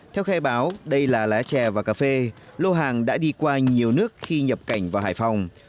theo khai báo đây là lá chè và cà phê lô hàng đã đi qua nhiều nước khi nhập cảnh vào hải phòng